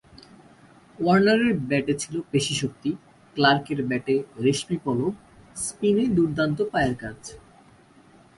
ওয়ার্নারের ব্যাটে ছিল পেশিশক্তি, ক্লার্কের ব্যাটে রেশমি পলব, স্পিনে দুর্দান্ত পায়ের কাজ।